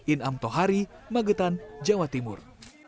inam tohari magetan jawa timur